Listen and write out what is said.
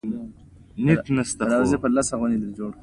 د قدمونو به یې هغه وتلي اروا راشي بیرته؟